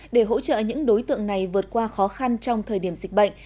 để hỗ trợ những đối tượng này vượt qua khó khăn trong thời điểm dịch bệnh